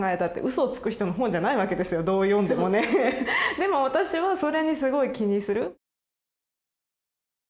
でも私はそれにすごい気にする。